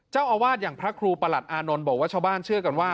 เจ้าอาวาสอย่างพระครูประหลัดอานนท์บอกว่าชาวบ้านเชื่อกันว่า